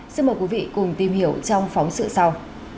xin mời quý vị cùng tìm hiểu trong phóng sự sau